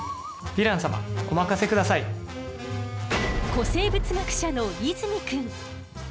古生物学者の泉くん。